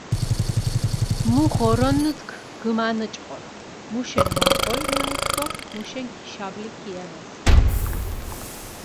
მუ ღორონთქ გჷმანჭყორ, მუშენ მაღოლ მა ექ დო მუშენ გიშაბლი ქიანასია.